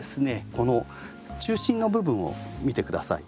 この中心の部分を見て下さい。